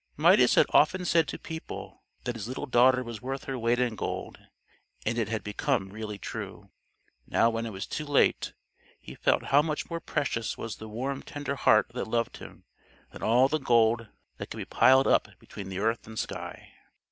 Midas had often said to people that his little daughter was worth her weight in gold, and it had become really true. Now when it was too late, he felt how much more precious was the warm tender heart that loved him than all the gold that could be piled up between the earth and sky.